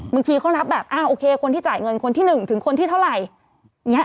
บางทีเขารับแบบอ้าวโอเคคนที่จ่ายเงินคนที่๑ถึงคนที่เท่าไหร่